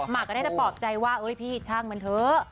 ก็ได้แต่ปลอบใจว่าพี่ช่างมันเถอะ